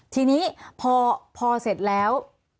ทีนี้พอเสร็จแล้ว